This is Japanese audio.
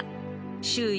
［周囲